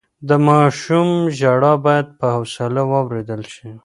د ماشوم ژړا بايد په حوصله واورېدل شي.